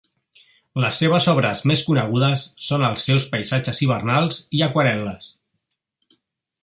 Les seves obres més conegudes són els seus paisatges hivernals i aquarel·les.